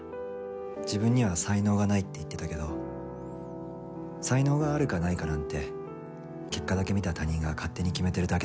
自分には才能がないって言ってたけど才能があるかないかなんて結果だけ見た他人が勝手に決めてるだけだと思うんだ。